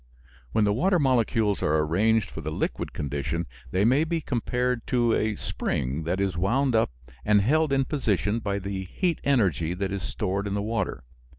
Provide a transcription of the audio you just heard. When the water molecules are arranged for the liquid condition they may be compared to a spring that is wound up and held in position by the heat energy that is stored in the water.